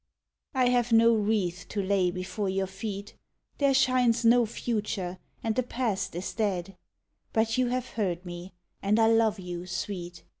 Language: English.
I have no wreath to lay before your feet; There shines no future, and the past is dead; But you have heard me, and I love you Sweet.